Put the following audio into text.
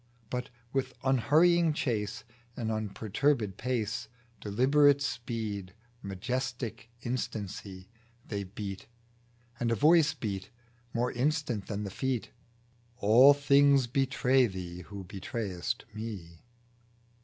But with unhurrying chase, And unperturbed pace, Deliberate speed, majestic instancy, They beat and a Voice beat More instant than the Feet " All things betray thee, who betrayest Me."